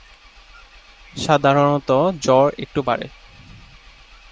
সাধারণত জ্বর একটু বাড়ে।